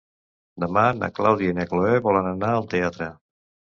Demà na Clàudia i na Cloè volen anar al teatre.